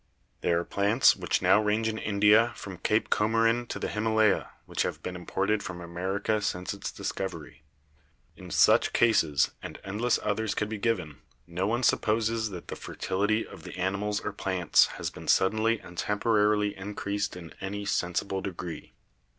"There are plants which now range in India from Cape Comorin to the Himalaya which have been imported from America since its discovery. In such cases, and endless others could be given, no one supposes that the fertility of the animals or plants has been suddenly and temporarily increased in any sensible degree.